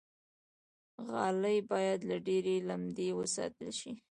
غالۍ باید له ډېرې لمدې وساتل شي.